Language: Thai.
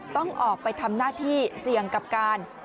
ต้องออกไปทำหน้าที่เสี่ยงกับการ